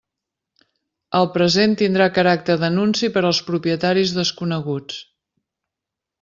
El present tindrà caràcter d'anunci per als propietaris desconeguts.